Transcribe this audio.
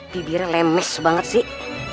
bibirnya lemes banget sih